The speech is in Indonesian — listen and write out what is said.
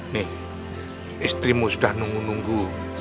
nih istrimu sudah nunggu nunggu